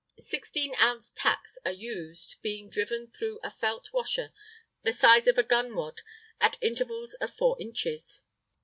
Sixteen ounce tacks are used, being driven through a felt washer the size of a gun wad at intervals of four inches.